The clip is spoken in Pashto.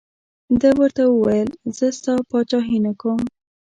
ده ورته وویل زه ستا پاچهي نه کوم.